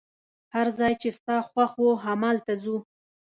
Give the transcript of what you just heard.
هر ځای چي ستا خوښ وو، همالته ځو.